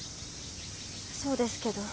そうですけど。